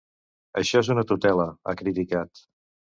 “Això és una tutela”, ha criticat.